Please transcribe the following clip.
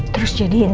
terus jadi intinya